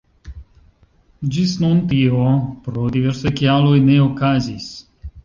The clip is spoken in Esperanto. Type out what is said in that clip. Ĝis nun tio pro diversaj kialoj ne okazis.